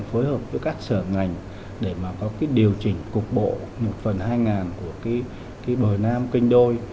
phối hợp với các sở ngành để mà có cái điều chỉnh cục bộ một phần hai của cái bờ nam kênh đôi